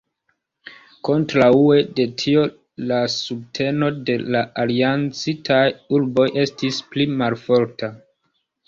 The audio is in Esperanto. Kontraŭe de tio la subteno de la aliancitaj urboj estis pli malforta.